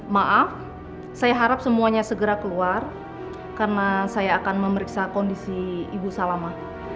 maaf saya harap semuanya segera keluar karena saya akan memeriksa kondisi ibu salama